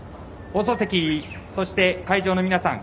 放送席そして、会場の皆さん。